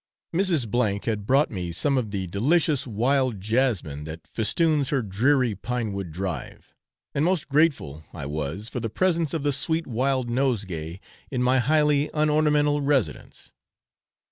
Mrs. S had brought me some of the delicious wild jasmine that festoons her dreary pine wood drive, and most grateful I was for the presence of the sweet wild nosegay in my highly unornamental residence.